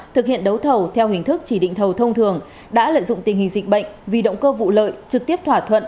thực hiện đấu thầu theo hình thức chỉ định thầu thông thường đã lợi dụng tình hình dịch bệnh vì động cơ vụ lợi trực tiếp thỏa thuận